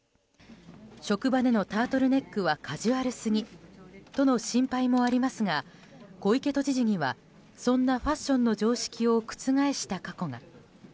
職場でのタートルネックはカジュアルすぎとの心配もありますが小池都知事にはそんなファッションの常識を覆した過去が。